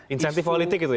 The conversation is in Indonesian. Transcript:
insentif politik itu ya